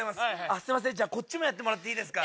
すいませんじゃこっちもやってもらっていいですか？